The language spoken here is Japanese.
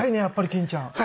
やっぱり欽ちゃん。